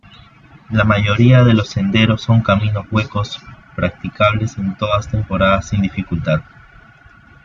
La mayoría de los senderos son caminos huecos practicables en todas temporadas sin dificultad.